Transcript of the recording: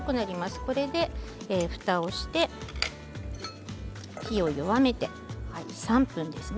これで、ふたをして火を弱めて３分ですね。